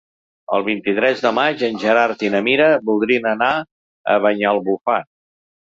El vint-i-tres de maig en Gerard i na Mira voldrien anar a Banyalbufar.